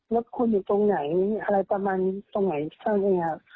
แล้วคนอยู่ตรงไหนอะไรประมาณตรงไหนทางไหนครับ